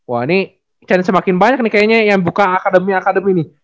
wah ini challenge semakin banyak nih kayaknya yang buka akademik akademik ini